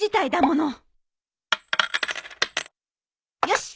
よし！